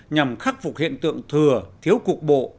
nhằm khắc phục hiện tượng thừa thiếu cục bộ